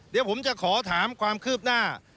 เดี๋ยวผมจะขอถามความคืบหน้า